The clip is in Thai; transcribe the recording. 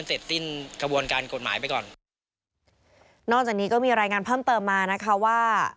นอกจากนี้ก็มีรายงานเพิ่มเติมมานะคะว่า